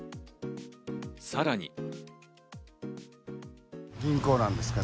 さらに。